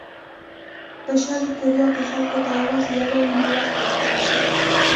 په شلي کوریا کې خلکو ته یوازې یوه اونۍ وخت ورکړل شو.